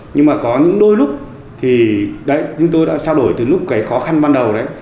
nhưng mà có những đôi lúc thì như tôi đã trao đổi từ lúc cái khó khăn ban đầu đấy